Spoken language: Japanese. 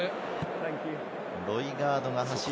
ロイガードが走って。